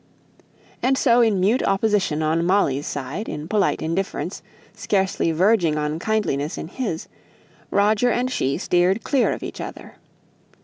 ] And so in mute opposition on Molly's side, in polite indifference, scarcely verging upon kindliness on his, Roger and she steered clear of each other.